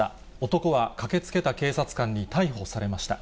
男は駆けつけた警察官に逮捕されました。